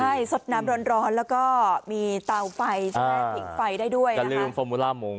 ใช่สดน้ำร้อนแล้วก็มีเตาไฟถึงไฟได้ด้วยจริงจนลืมฟอร์มูลามงค์